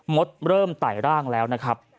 มดเริ่มไต่ร่างแล้วนะครับ